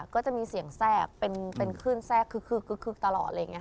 ก็จะมีเสียงแทรกเป็นคลื่นแทรกคึกตลอด